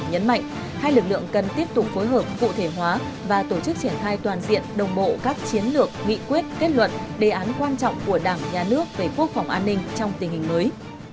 nhấn mạnh hai lực lượng cần tiếp tục phối hợp cụ thể hóa và tổ chức triển khai toàn diện đồng bộ các chiến lược nghị quyết kết luận đề án quan trọng của đảng nhà nước về quốc phòng an ninh trong tình hình mới